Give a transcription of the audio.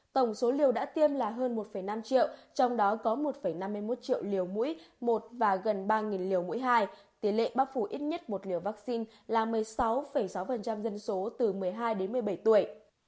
tổng số liều đã tiêm là hơn một năm triệu trong đó có một năm mươi một triệu liều mũi một và gần ba liều mũi hai tỷ lệ bác phủ ít nhất một liều vaccine là một mươi sáu sáu dân số từ một mươi hai đến một mươi bảy tuổi